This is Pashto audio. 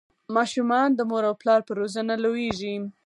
ماشومان د مور او پلار په روزنه لویږي.